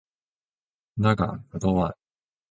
だが断る。